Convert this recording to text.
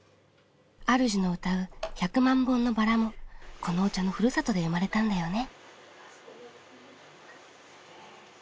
あるじの歌う『１００万本のバラ』もこのお茶のふるさとで生まれたんだよね。